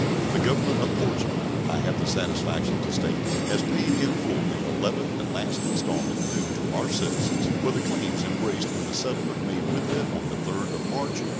The Government of Portugal, I have the satisfaction to state, has paid in full the eleventh and last installment due to our citizens for the claims embraced in the settlement made with it on the 3d of March, 1837.